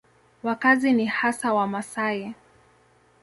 Wakazi ni hasa Wamasai.